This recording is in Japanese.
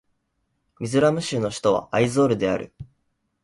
ミゾラム州の州都はアイゾールである